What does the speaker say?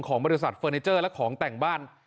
บริษัทเฟอร์นิเจอร์และของแต่งบ้าน